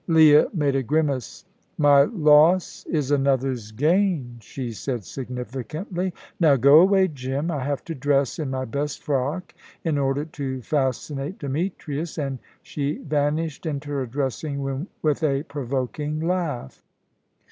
Leah made a grimace. "My loss is another's gain," she said significantly. "Now go away, Jim. I have to dress in my best frock in order to fascinate Demetrius"; and she vanished into her dressing room with a provoking laugh.